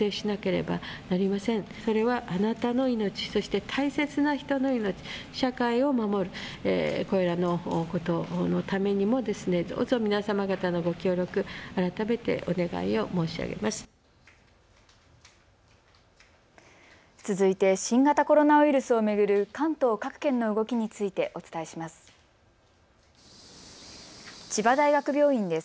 続いて新型コロナウイルスを巡る関東各県の動きについてお伝えします。